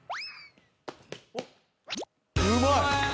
・うまい！